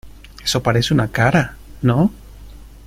eso parece una cara, ¿ no?